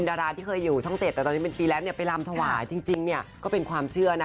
แต่รอบนี้อย่างจริงไทรลัดนี่ให้เลขตลกมากเลยนะ